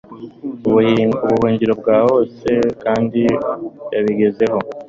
ubuhungiro bwabo bose kandi yabigezeho